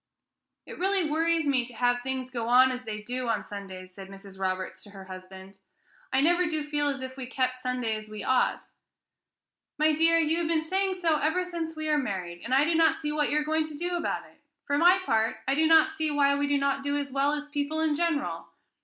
"It really worries me to have things go on so as they do on Sundays," said Mrs. Roberts to her husband. "I never do feel as if we kept Sunday as we ought." "My dear, you have been saying so ever since we were married, and I do not see what you are going to do about it. For my part I do not see why we do not do as well as people in general.